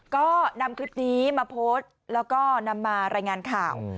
ก็นำคลิปนี้มาโพสต์แล้วก็นำมารายงานข่าว